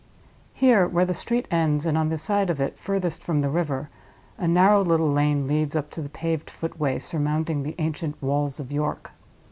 Here, where the street ends, and on the side of it furthest from the river, a narrow little lane leads up to the paved footway surmounting the ancient Walls of York.